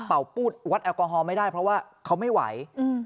ปูดวัดแอลกอฮอล์ไม่ได้เพราะว่าเขาไม่ไหว